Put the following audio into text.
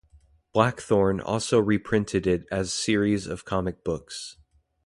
Blackthorne also reprinted it as series of comic books.